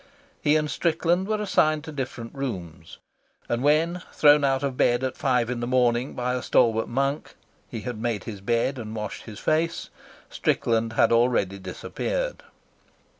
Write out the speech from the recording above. He and Strickland were assigned to different rooms, and when, thrown out of bed at five in the morning by a stalwart monk, he had made his bed and washed his face, Strickland had already disappeared.